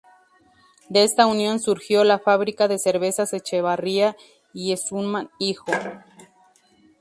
De esta unión surgió la Fábrica de Cervezas Echevarría y Schumann hijo.